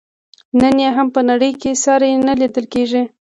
نن یې هم په نړۍ کې ساری نه لیدل کیږي.